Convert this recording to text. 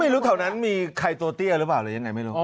แถวนั้นมีใครตัวเตี้ยหรือเปล่าหรือยังไงไม่รู้